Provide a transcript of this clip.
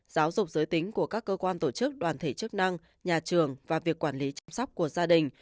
giáo dục giới tính của các cơ quan tổ chức đoàn thể chức năng nhà trường và việc quản lý chăm sóc của gia đình